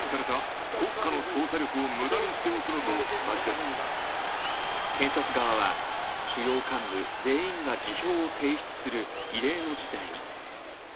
更に検察側は主要幹部全員が辞表を提出する異例の事態に。